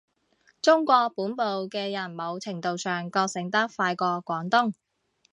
中國本部嘅人某程度上覺醒得快過廣東